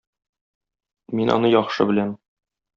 Мин аны яхшы беләм.